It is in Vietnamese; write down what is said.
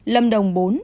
lâm đồng bốn